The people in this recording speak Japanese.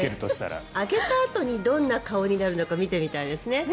あげたあとにどんな顔になるのか見てみたいですね。